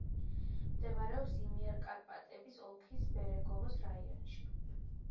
მდებარეობს იმიერკარპატების ოლქის ბერეგოვოს რაიონში.